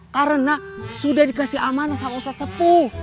karena sudah dikasih amanah sama ustadz sepu